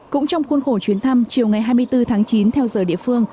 cũng trong khuôn khổ chuyến thăm chiều ngày hai mươi bốn tháng chín theo giờ địa phương